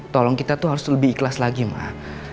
tolong kita tuh harus lebih ikhlas lagi mah